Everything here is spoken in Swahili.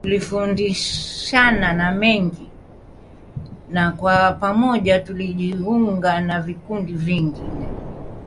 Tulifundishana mengi na kwa pamoja, tulijiunga na vikundi vyingine.